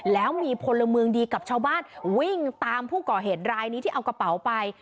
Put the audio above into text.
แล้วมีพลเมืองดีกับชาวบ้านวิ่งตามผู้ก่อเหตุรายนี้ที่เอากระเป๋าไป